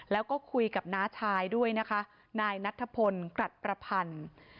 แล้วก็คุยกับน้าชายด้วยนะคะนายนัทพลกรัชประพันธ์